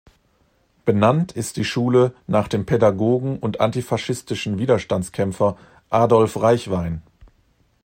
Benannt ist die Schule nach dem Pädagogen und antifaschistischen Widerstandskämpfer Adolf Reichwein.